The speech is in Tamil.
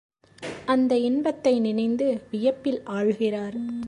அந்த இன்பத்தை நினைந்து வியப்பில் ஆழ்கிறார்.